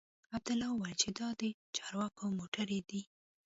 عبدالله وويل چې دا د چارواکو موټرې دي.